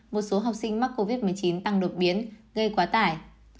một số học sinh mắc covid một mươi chín tăng đột biến gây quá tải